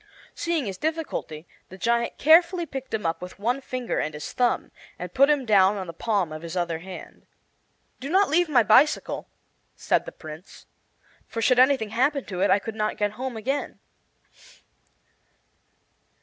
Seeing his difficulty the giant carefully picked him up with one finger and his thumb, and put him down on the palm of his other hand. "Do not leave my bicycle," said the Prince, "for should anything happen to it I could not get home again."